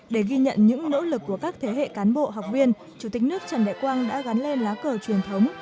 để ghi nhận những nỗ lực của các thế hệ cán bộ học viên chủ tịch nước trần đại quang đã gắn lên lá cờ truyền thống